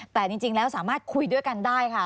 แต่จริงแล้วสามารถคุยด้วยกันได้ค่ะ